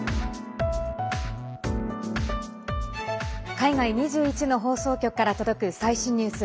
海外２１の放送局から届く最新ニュース。